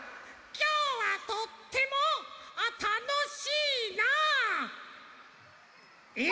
きょうはとってもあったのしいな！え！？